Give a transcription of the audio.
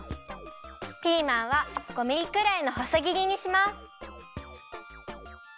ピーマンは５ミリくらいのほそぎりにします。